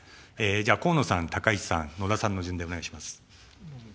河野さん、高市さん、野田さんの順でお願いします。